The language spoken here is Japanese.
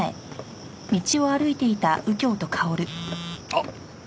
あっ。